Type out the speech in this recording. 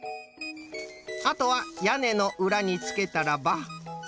あとはやねのうらにつけたらば。